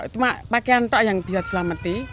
cuma pakaian to yang bisa diselamatin